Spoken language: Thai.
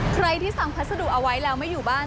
ใครที่สั่งพัสดุเอาไว้แล้วไม่อยู่บ้าน